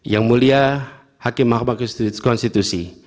yang mulia hakim mahkamah konstitusi